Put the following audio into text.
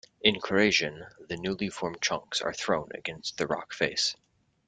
In corrasion, the newly formed chunks are thrown against the rock face.